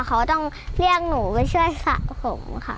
เขาต้องเรียกหนูไปช่วยสระผมค่ะ